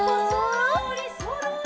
「そろーりそろり」